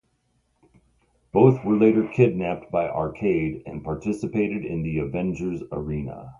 Both were later kidnapped by Arcade and participated in the Avenger's Arena.